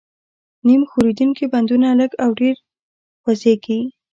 نیم ښورېدونکي بندونه لږ او ډېر خوځېږي.